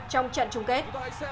trong trận chung kết